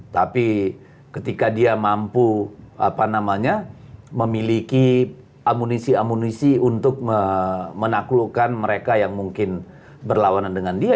tapi ketika dia mampu memiliki amunisi amunisi untuk menaklukkan mereka yang mungkin berlawanan dengan dia